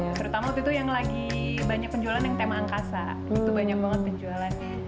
ya terutama waktu itu yang lagi banyak penjualan yang tema angkasa itu banyak banget penjualannya